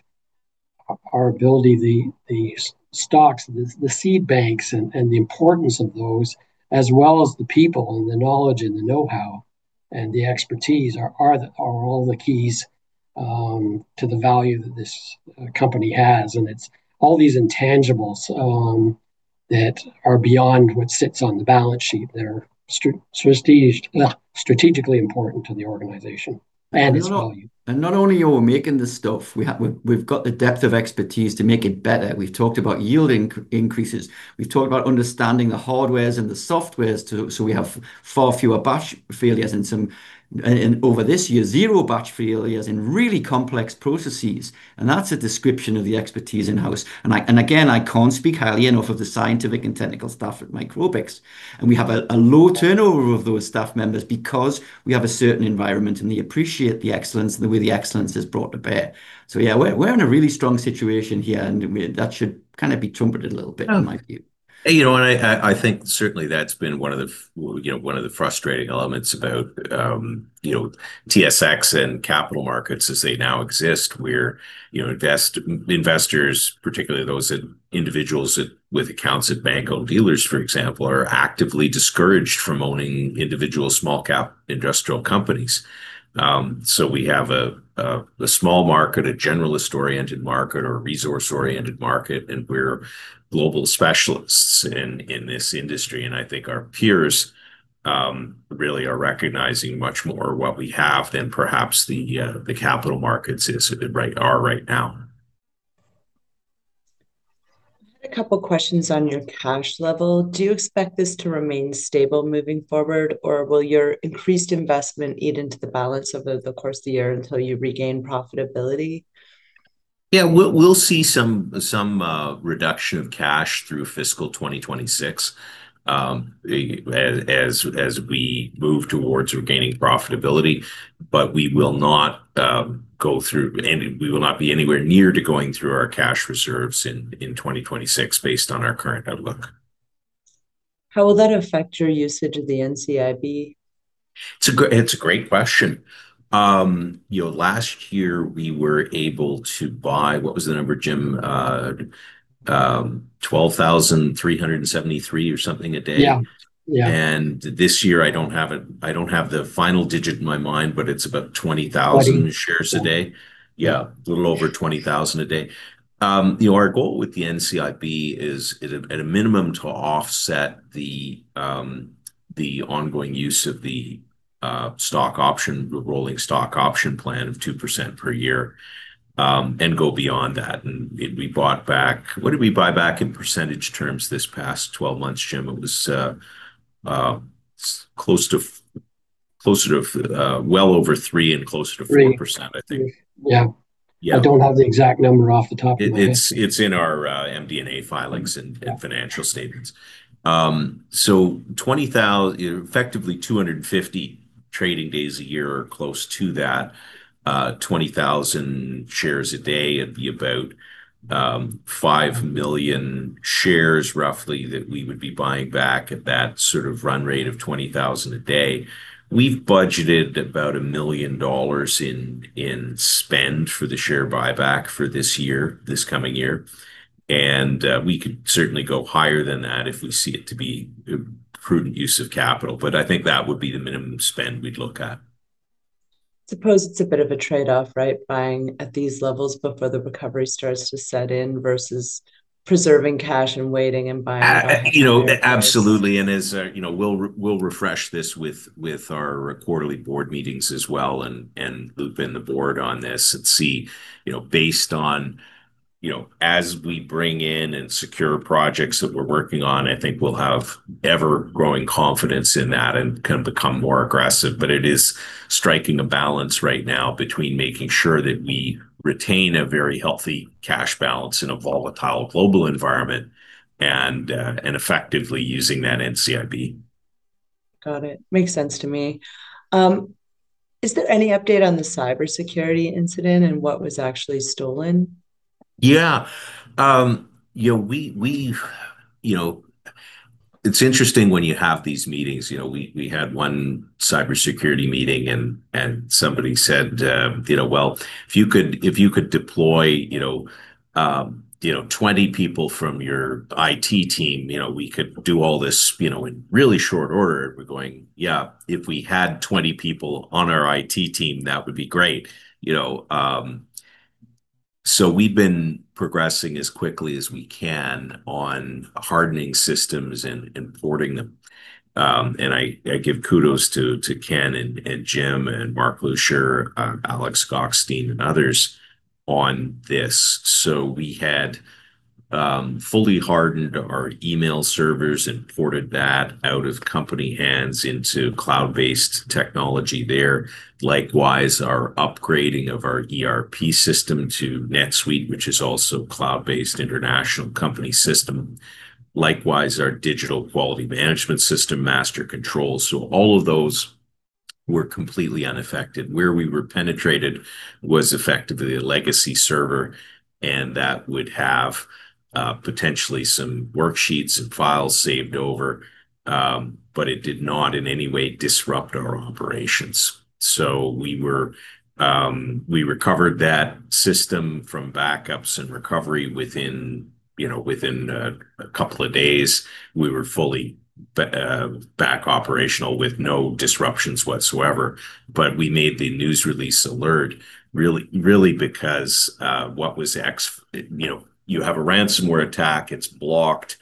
[SPEAKER 2] our ability, the stocks, the seed banks, and the importance of those, as well as the people and the knowledge and the know-how and the expertise are all the keys to the value that this company has. And it's all these intangibles that are beyond what sits on the balance sheet. They're strategically important to the organization. And it's value.
[SPEAKER 3] And not only are we making this stuff, we've got the depth of expertise to make it better. We've talked about yield increases. We've talked about understanding the hardwares and the softwares so we have far fewer batch failures and over this year, zero batch failures in really complex processes. And that's a description of the expertise in-house. And again, I can't speak highly enough of the scientific and technical staff at Microbix. And we have a low turnover of those staff members because we have a certain environment, and they appreciate the excellence and the way the excellence is brought to bear. So yeah, we're in a really strong situation here, and that should kind of be trumpeted a little bit, in my view.
[SPEAKER 1] And I think certainly that's been one of the frustrating elements about TSX and capital markets as they now exist, where investors, particularly those individuals with accounts at banks or dealers, for example, are actively discouraged from owning individual small-cap industrial companies. So we have a small market, a generalist-oriented market, or a resource-oriented market, and we're global specialists in this industry. And I think our peers really are recognizing much more of what we have than perhaps the capital markets are right now.
[SPEAKER 4] I had a couple of questions on your cash level. Do you expect this to remain stable moving forward, or will your increased investment eat into the balance over the course of the year until you regain profitability?
[SPEAKER 1] Yeah. We'll see some reduction of cash through fiscal 2026 as we move towards regaining profitability. But we will not go through, and we will not be anywhere near to going through our cash reserves in 2026 based on our current outlook.
[SPEAKER 4] How will that affect your usage of the NCIB?
[SPEAKER 1] It's a great question. Last year, we were able to buy, what was the number, Jim, 12,373 or something a day, and this year, I don't have the final digit in my mind, but it's about 20,000 shares a day. Yeah, a little over 20,000 a day. Our goal with the NCIB is, at a minimum, to offset the ongoing use of the stock option, the rolling stock option plan of 2% per year, and go beyond that, and we bought back, what did we buy back in percentage terms this past 12 months, Jim? It was closer to well over 3% and closer to 4%, I think.
[SPEAKER 2] Yeah. I don't have the exact number off the top of my head.
[SPEAKER 1] It's in our MD&A filings and financial statements, so effectively, 250 trading days a year or close to that, 20,000 shares a day of the about 5 million shares, roughly, that we would be buying back at that sort of run rate of 20,000 a day. We've budgeted about 1 million dollars in spend for the share buyback for this year, this coming year, and we could certainly go higher than that if we see it to be prudent use of capital, but I think that would be the minimum spend we'd look at.
[SPEAKER 4] I suppose it's a bit of a trade-off, right, buying at these levels before the recovery starts to set in versus preserving cash and waiting and buying back.
[SPEAKER 1] Absolutely. And we'll refresh this with our quarterly board meetings as well and loop in the board on this and see based on as we bring in and secure projects that we're working on. I think we'll have ever-growing confidence in that and kind of become more aggressive. But it is striking a balance right now between making sure that we retain a very healthy cash balance in a volatile global environment and effectively using that NCIB.
[SPEAKER 4] Got it. Makes sense to me. Is there any update on the cybersecurity incident and what was actually stolen?
[SPEAKER 1] Yeah. It's interesting when you have these meetings. We had one cybersecurity meeting, and somebody said, "Well, if you could deploy 20 people from your IT team, we could do all this in really short order." We're going, "Yeah, if we had 20 people on our IT team, that would be great." So we've been progressing as quickly as we can on hardening systems and porting them. And I give kudos to Ken and Jim and Mark Luscher, Alex Goksteyn, and others on this. So we had fully hardened our email servers and ported that out of company hands into cloud-based technology there. Likewise, our upgrading of our ERP system to NetSuite, which is also a cloud-based international company system. Likewise, our digital quality management system, MasterControl. So all of those were completely unaffected. Where we were penetrated was effectively a legacy server, and that would have potentially some worksheets and files saved over, but it did not in any way disrupt our operations, so we recovered that system from backups and recovery within a couple of days. We were fully back operational with no disruptions whatsoever, but we made the news release alert really because what was, you have a ransomware attack, it's blocked.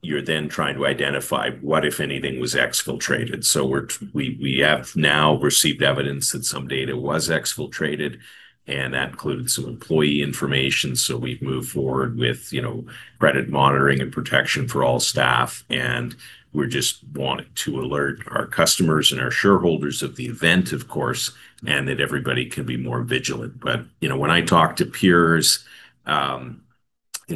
[SPEAKER 1] You're then trying to identify what, if anything, was exfiltrated, so we have now received evidence that some data was exfiltrated, and that included some employee information. So we've moved forward with credit monitoring and protection for all staff, and we just wanted to alert our customers and our shareholders of the event, of course, and that everybody can be more vigilant, but when I talk to peers,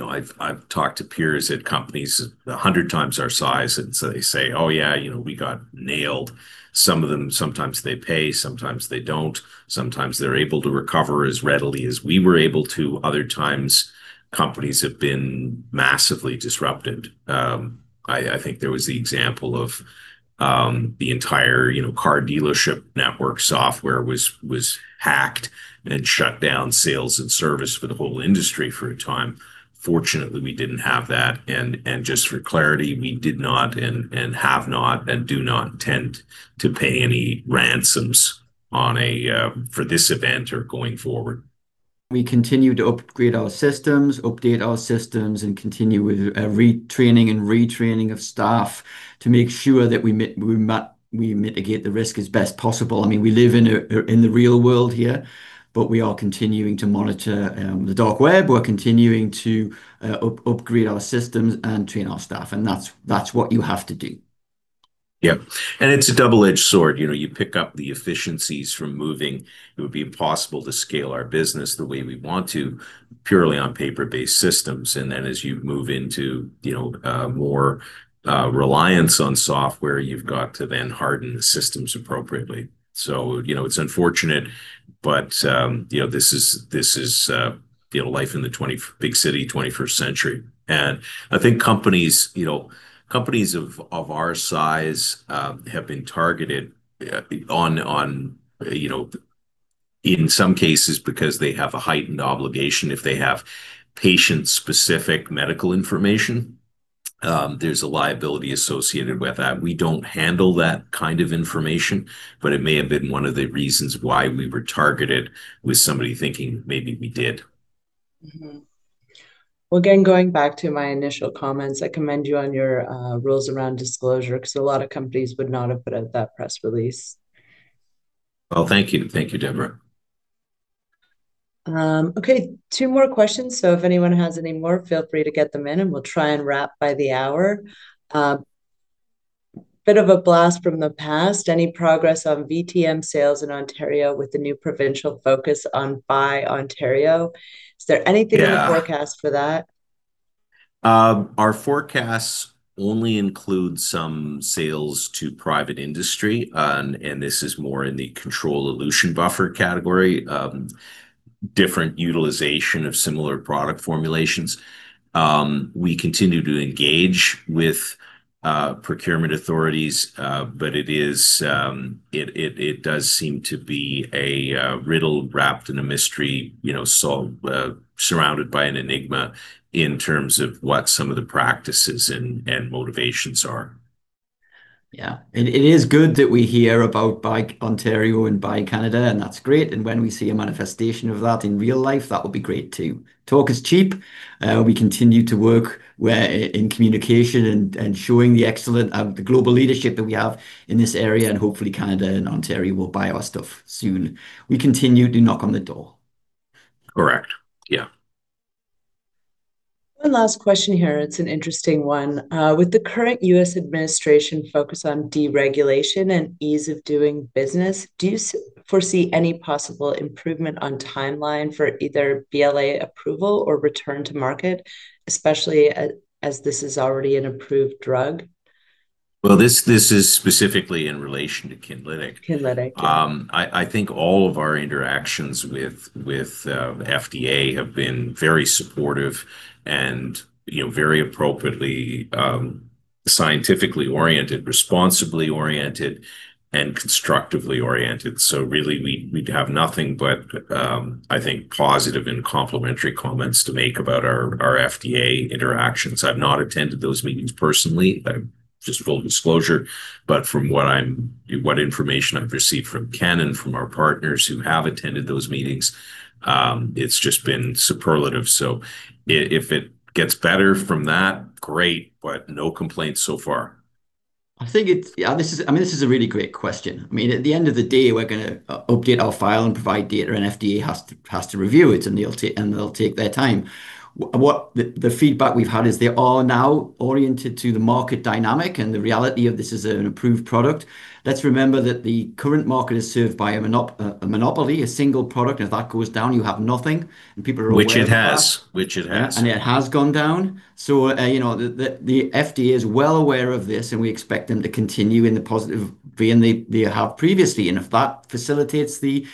[SPEAKER 1] I've talked to peers at companies 100 times our size. And so they say, "Oh, yeah, we got nailed." Some of them, sometimes they pay, sometimes they don't. Sometimes they're able to recover as readily as we were able to. Other times, companies have been massively disrupted. I think there was the example of the entire car dealership network software was hacked and shut down sales and service for the whole industry for a time. Fortunately, we didn't have that. And just for clarity, we did not and have not and do not intend to pay any ransoms for this event or going forward.
[SPEAKER 3] We continue to upgrade our systems, update our systems, and continue with retraining and retraining of staff to make sure that we mitigate the risk as best possible. I mean, we live in the real world here, but we are continuing to monitor the dark web. We're continuing to upgrade our systems and train our staff. And that's what you have to do.
[SPEAKER 1] Yeah. And it's a double-edged sword. You pick up the efficiencies from moving. It would be impossible to scale our business the way we want to purely on paper-based systems. And then as you move into more reliance on software, you've got to then harden the systems appropriately. So it's unfortunate, but this is life in the big city, 21st century. And I think companies of our size have been targeted in some cases because they have a heightened obligation if they have patient-specific medical information. There's a liability associated with that. We don't handle that kind of information, but it may have been one of the reasons why we were targeted with somebody thinking maybe we did.
[SPEAKER 4] Again, going back to my initial comments, I commend you on your rules around disclosure because a lot of companies would not have put out that press release.
[SPEAKER 1] Thank you. Thank you, Deborah.
[SPEAKER 4] Okay. Two more questions. So if anyone has any more, feel free to get them in, and we'll try and wrap by the hour. Bit of a blast from the past. Any progress on VTM sales in Ontario with the new provincial focus on Buy Ontario? Is there anything in the forecast for that?
[SPEAKER 1] Our forecasts only include some sales to private industry, and this is more in the control solution buffer category, different utilization of similar product formulations. We continue to engage with procurement authorities, but it does seem to be a riddle wrapped in a mystery surrounded by an enigma in terms of what some of the practices and motivations are.
[SPEAKER 3] Yeah. And it is good that we hear about Buy Ontario and Buy Canada, and that's great. And when we see a manifestation of that in real life, that would be great too. Talk is cheap. We continue to work in communication and showing the excellent global leadership that we have in this area, and hopefully, Canada and Ontario will buy our stuff soon. We continue to knock on the door.
[SPEAKER 1] Correct. Yeah.
[SPEAKER 4] One last question here. It's an interesting one. With the current U.S. administration focus on deregulation and ease of doing business, do you foresee any possible improvement on timeline for either BLA approval or return to market, especially as this is already an approved drug?
[SPEAKER 1] This is specifically in relation to Kinlytic.
[SPEAKER 4] Kinlytic.
[SPEAKER 1] I think all of our interactions with FDA have been very supportive and very appropriately scientifically oriented, responsibly oriented, and constructively oriented. So really, we'd have nothing but, I think, positive and complimentary comments to make about our FDA interactions. I've not attended those meetings personally, just full disclosure. But from what information I've received from Cameron, from our partners who have attended those meetings, it's just been superlative. So if it gets better from that, great, but no complaints so far.
[SPEAKER 3] I think, yeah, I mean, this is a really great question. I mean, at the end of the day, we're going to update our file and provide data, and FDA has to review it, and they'll take their time. The feedback we've had is they're all now oriented to the market dynamic and the reality of this as an approved product. Let's remember that the current market is served by a monopoly, a single product. And if that goes down, you have nothing. And people are always asking.
[SPEAKER 1] Which it has. Which it has.
[SPEAKER 3] It has gone down. The FDA is well aware of this, and we expect them to continue in the positive way they have previously. If that facilitates the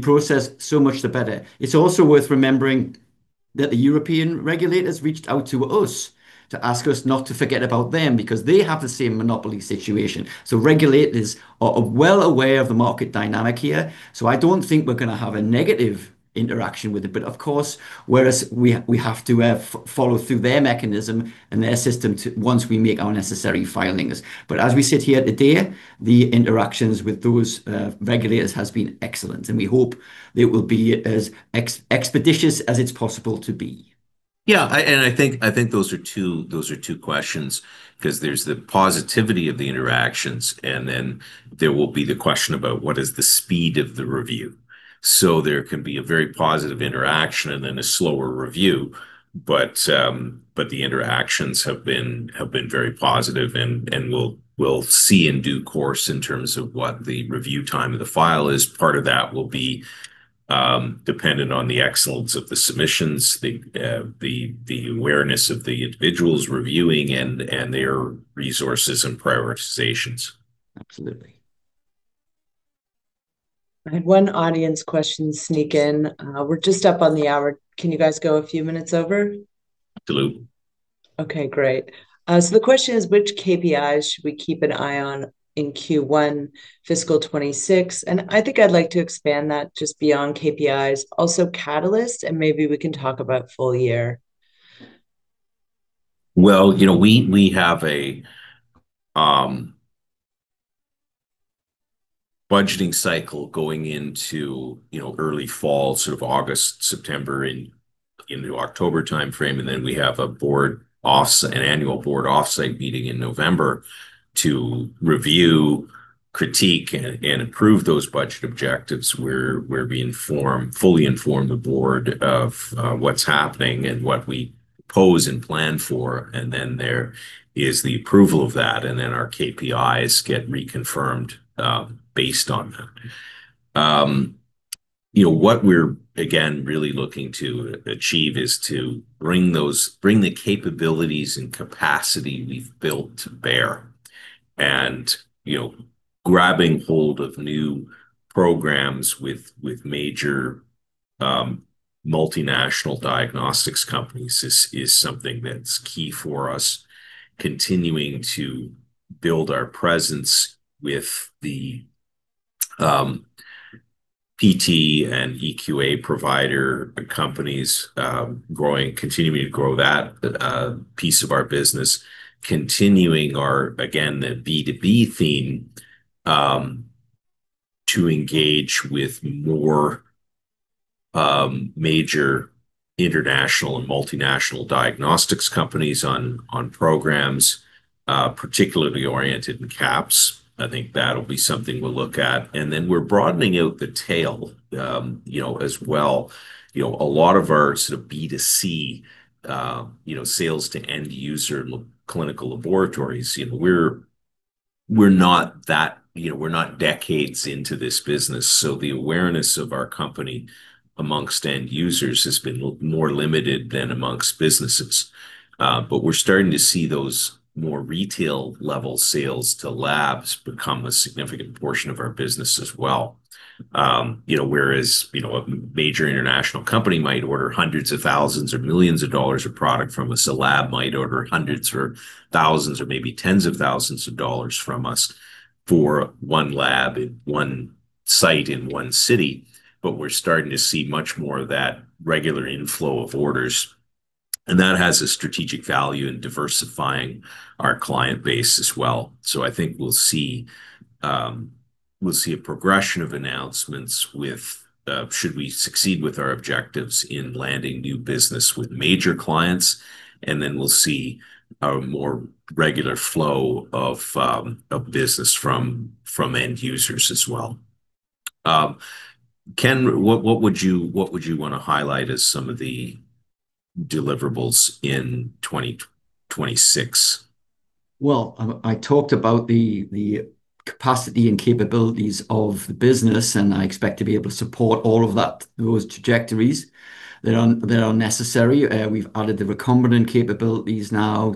[SPEAKER 3] process, so much the better. It's also worth remembering that the European regulators reached out to us to ask us not to forget about them because they have the same monopoly situation. Regulators are well aware of the market dynamic here. I don't think we're going to have a negative interaction with it. But of course, whereas we have to follow through their mechanism and their system once we make our necessary filings. As we sit here today, the interactions with those regulators have been excellent. We hope it will be as expeditious as it's possible to be.
[SPEAKER 1] Yeah, and I think those are two questions because there's the positivity of the interactions, and then there will be the question about what is the speed of the review, so there can be a very positive interaction and then a slower review, but the interactions have been very positive, and we'll see in due course in terms of what the review time of the file is. Part of that will be dependent on the excellence of the submissions, the awareness of the individuals reviewing, and their resources and prioritizations.
[SPEAKER 3] Absolutely.
[SPEAKER 4] I had one audience question sneak in. We're just up on the hour. Can you guys go a few minutes over?
[SPEAKER 1] Absolutely.
[SPEAKER 4] Okay. Great. So the question is, which KPIs should we keep an eye on in Q1, fiscal 2026? And I think I'd like to expand that just beyond KPIs, also catalysts, and maybe we can talk about full year.
[SPEAKER 1] We have a budgeting cycle going into early fall, sort of August, September, into October timeframe. We have an annual board offsite meeting in November to review, critique, and approve those budget objectives. We're being fully informed of what's happening and what we propose and plan for. There is the approval of that, and our KPIs get reconfirmed based on that. What we're, again, really looking to achieve is to bring the capabilities and capacity we've built to bear. Grabbing hold of new programs with major multinational diagnostics companies is something that's key for us, continuing to build our presence with the PT and EQA provider companies, continuing to grow that piece of our business, continuing, again, the B2B theme to engage with more major international and multinational diagnostics companies on programs particularly oriented in QAPs. I think that'll be something we'll look at, and then we're broadening out the tail as well. A lot of our sort of B2C sales to end user clinical laboratories. We're not decades into this business. The awareness of our company among end users has been more limited than among businesses. We're starting to see those more retail-level sales to labs become a significant portion of our business as well. Whereas a major international company might order hundreds of thousands or millions of dollars of product from us, a lab might order hundreds or thousands or maybe tens of thousands of dollars from us for one lab, one site in one city. We're starting to see much more of that regular inflow of orders, and that has a strategic value in diversifying our client base as well. So I think we'll see a progression of announcements, should we succeed with our objectives in landing new business with major clients. And then we'll see a more regular flow of business from end users as well. Ken, what would you want to highlight as some of the deliverables in 2026?
[SPEAKER 3] I talked about the capacity and capabilities of the business, and I expect to be able to support all of those trajectories that are necessary. We've added the recombinant capabilities now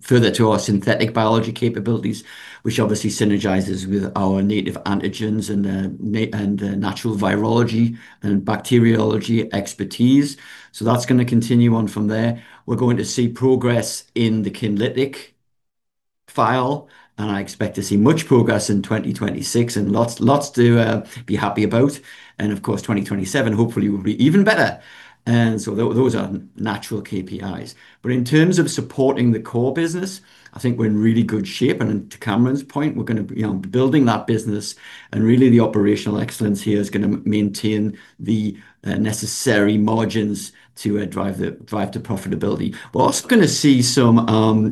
[SPEAKER 3] further to our synthetic biology capabilities, which obviously synergizes with our native antigens and natural virology and bacteriology expertise. So that's going to continue on from there. We're going to see progress in the Kinlytic file, and I expect to see much progress in 2026 and lots to be happy about. And of course, 2027, hopefully, will be even better. And so those are natural KPIs. But in terms of supporting the core business, I think we're in really good shape. And to Cameron's point, we're going to be building that business. And really, the operational excellence here is going to maintain the necessary margins to drive the profitability. We're also going to see some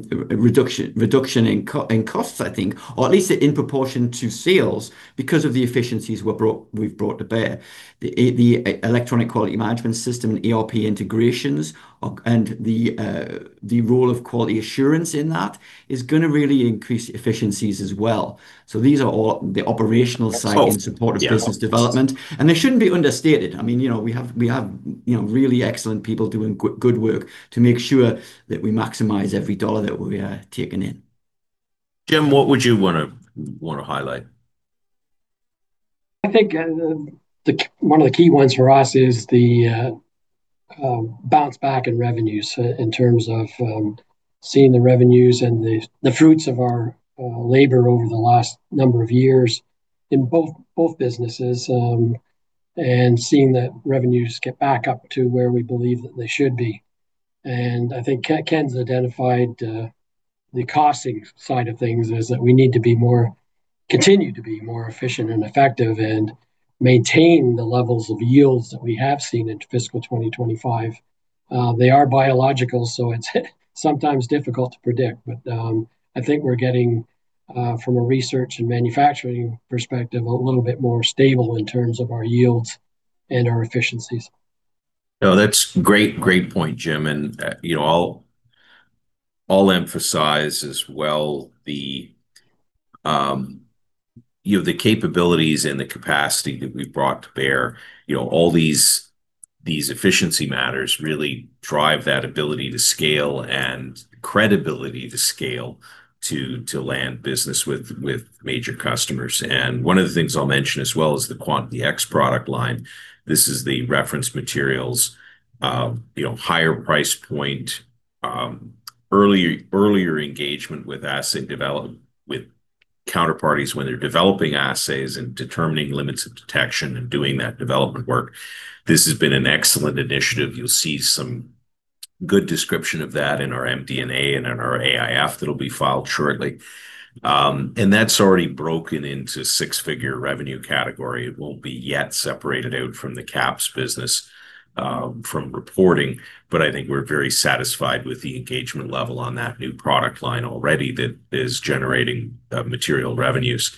[SPEAKER 3] reduction in costs, I think, or at least in proportion to sales because of the efficiencies we've brought to bear. The electronic quality management system and ERP integrations and the role of quality assurance in that is going to really increase efficiencies as well. So these are all the operational side in support of business development. And they shouldn't be understated. I mean, we have really excellent people doing good work to make sure that we maximize every dollar that we are taking in.
[SPEAKER 1] Jim, what would you want to highlight?
[SPEAKER 2] I think one of the key ones for us is the bounce back in revenues in terms of seeing the revenues and the fruits of our labor over the last number of years in both businesses and seeing that revenues get back up to where we believe that they should be, and I think Ken's identified the costing side of things is that we need to continue to be more efficient and effective and maintain the levels of yields that we have seen in fiscal 2025. They are biological, so it's sometimes difficult to predict, but I think we're getting, from a research and manufacturing perspective, a little bit more stable in terms of our yields and our efficiencies.
[SPEAKER 1] No, that's a great point, Jim. And I'll emphasize as well the capabilities and the capacity that we've brought to bear. All these efficiency matters really drive that ability to scale and credibility to scale to land business with major customers. And one of the things I'll mention as well is the QUANTDx product line. This is the reference materials, higher price point, earlier engagement with asset development with counterparties when they're developing assets and determining limits of detection and doing that development work. This has been an excellent initiative. You'll see some good description of that in our MD&A and in our AIF that'll be filed shortly. And that's already broken into six-figure revenue category. It won't be yet separated out from the QAPs business from reporting. But I think we're very satisfied with the engagement level on that new product line already that is generating material revenues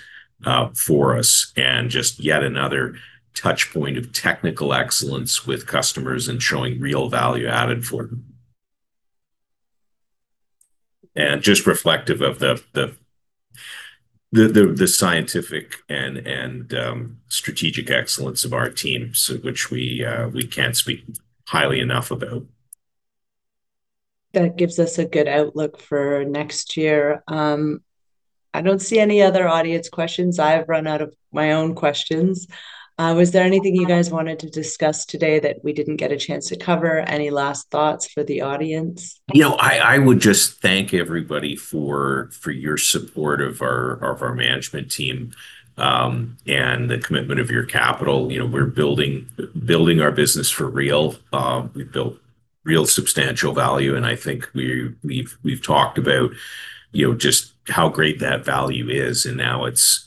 [SPEAKER 1] for us and just yet another touchpoint of technical excellence with customers and showing real value added for them. And just reflective of the scientific and strategic excellence of our team, which we can't speak highly enough about.
[SPEAKER 4] That gives us a good outlook for next year. I don't see any other audience questions. I've run out of my own questions. Was there anything you guys wanted to discuss today that we didn't get a chance to cover? Any last thoughts for the audience?
[SPEAKER 1] I would just thank everybody for your support of our management team and the commitment of your capital. We're building our business for real. We've built real substantial value. And I think we've talked about just how great that value is. And now it's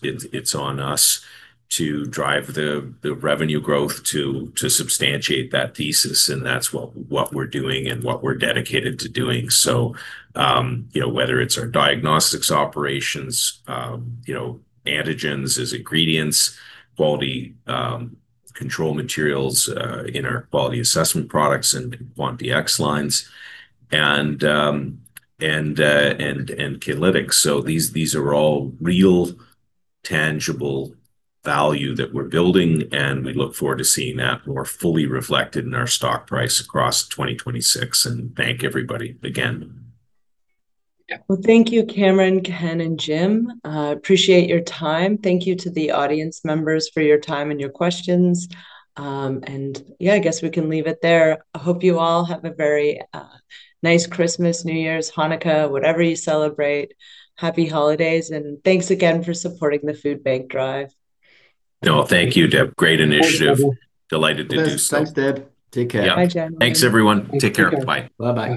[SPEAKER 1] on us to drive the revenue growth to substantiate that thesis. And that's what we're doing and what we're dedicated to doing. So whether it's our diagnostics operations, antigens as ingredients, quality control materials in our quality assessment products and QUANTDx lines, and Kinlytic. So these are all real tangible value that we're building. And we look forward to seeing that more fully reflected in our stock price across 2026. And thank everybody again.
[SPEAKER 4] Yeah. Well, thank you, Cameron, Ken, and Jim. Appreciate your time. Thank you to the audience members for your time and your questions. And yeah, I guess we can leave it there. I hope you all have a very nice Christmas, New Year's, Hanukkah, whatever you celebrate. Happy holidays. And thanks again for supporting the Food Bank Drive.
[SPEAKER 1] No, thank you, Deb. Great initiative. Delighted to do so.
[SPEAKER 2] Thanks, Deb. Take care.
[SPEAKER 4] Bye, Jim.
[SPEAKER 1] Thanks, everyone. Take care. Bye.
[SPEAKER 3] Bye-bye.